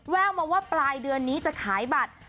แววมาว่าปลายเดือนนี้จะขายบัตร